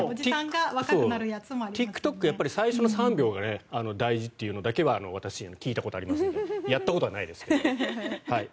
ＴｉｋＴｏｋは最初の３秒が大事ということだけは私、聞いたことあるのでやったことはないですけど。